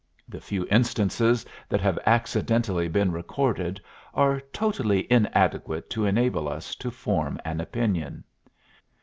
The few instances that have accidentally been recorded are totally inadequate to enable us to form an opinion.